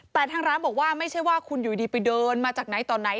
แต่ทางร้านบอกว่าไม่ใช่ว่าคุณอยู่ดีไปเดินมาจากไหนต่อไหน